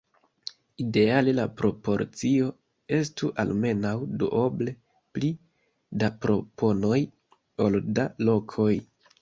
Ideale la proporcio estu almenaŭ duoble pli da proponoj ol da lokoj.